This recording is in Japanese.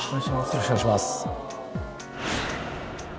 よろしくお願いします。